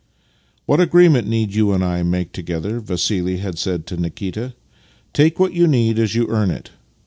" What agreement need you and I make together? " Vassili had said to Nikita. " Take what you need as you earn it.